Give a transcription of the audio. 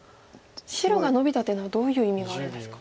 白がノビたっていうのはどういう意味があるんですか。